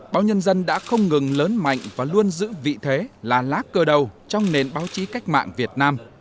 báo nhân dân đã không ngừng lớn mạnh và luôn giữ vị thế là lá cơ đầu trong nền báo chí cách mạng việt nam